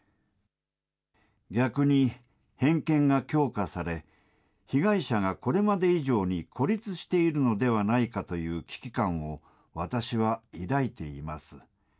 逆に偏見が強化され、被害者がこれまで以上に孤立しているのではないかという危機感を私は抱いています。